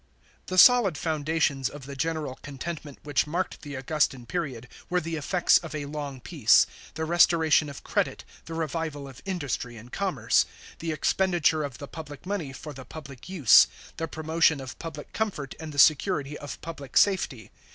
The solid foundations of the general contentment which marked the Augustan period were the effects of a long peace ; the restoration of credit, the revival of industry and commerce, the expenditure of the public money for the public use, the promotion of public comfort and the security of public safety.